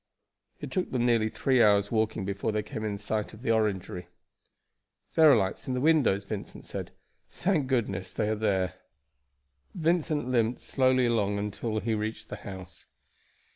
It took them nearly three hours' walking before they came in sight of the Orangery. "There are lights in the windows," Vincent said. "Thank goodness they are there." Vincent limped slowly along until he reached the house.